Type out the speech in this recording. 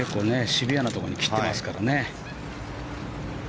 シビアなところに切ってますからね。